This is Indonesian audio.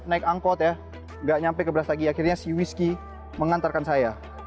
naik angkot tidak sampai ke brastagi akhirnya si whisky mengantarkan saya